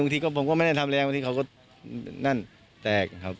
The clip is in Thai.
ที่ผมก็ไม่ได้ทำแรงบางทีเขาก็นั่นแตกนะครับ